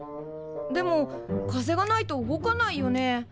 でも風がないと動かないよね？